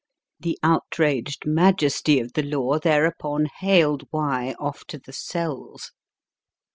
The outraged majesty of the law thereupon haled Y. off to the cells.